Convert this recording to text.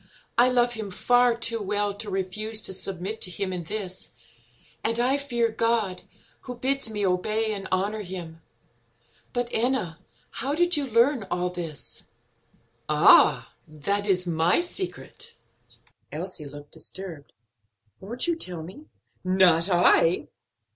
I love him far too well to refuse to submit to him in this, and I fear God, who bids me obey and honor him. But, Enna, how did you learn all this?" "Ah, that is my secret." Elsie looked disturbed. "Won't you tell me?" "Not I."